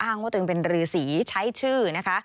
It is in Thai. ว่าตัวเองเป็นรือสีใช้ชื่อนะคะ